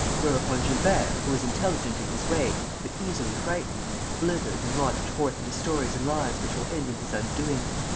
Whereupon Gilbert, who is intelligent in his way, but easily frightened, blithered and launched forth into stories and lies which will end in his undoing.